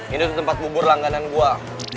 ini tempat bubur langganan gue